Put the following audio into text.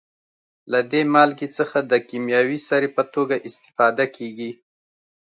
له دې مالګې څخه د کیمیاوي سرې په توګه استفاده کیږي.